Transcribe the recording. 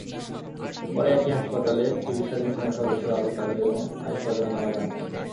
পরে একই হাসপাতালে চিকিৎসাধীন সেনাসদস্য আবু সালেহ এবং আরিফ আজাদ মারা যান।